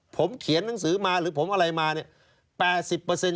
ผมเขียนหนังสือมาหรือผมอะไรมาเนี่ย๘๐